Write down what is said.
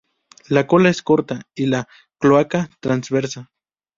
La cola es corta; y la cloaca, transversa.